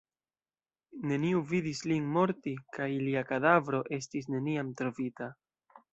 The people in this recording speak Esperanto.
Neniu vidis lin morti kaj lia kadavro estis neniam trovita.